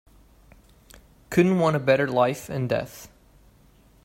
Couldn't want a better life and death.